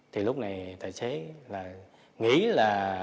thì lúc này tài xế là nghĩ là